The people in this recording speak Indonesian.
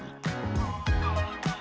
tim liputan cnn news